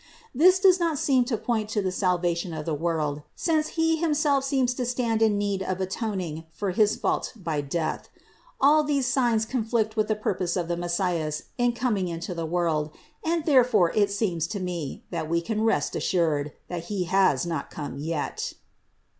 This does not seem to point to the salvation of the world, since He himself seems to stand in need of atoning for his fault by death. All these signs con flict with the purpose of the Messias in coming into the world and therefore it seems to me, that we can rest assured, that He has not yet come."